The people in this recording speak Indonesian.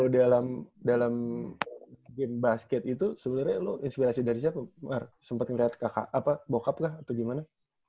tapi kalau lu dalam game basket itu sebenarnya lu inspirasi dari siapa mar sempet ngeliat kakak apa bokap kah atau gimana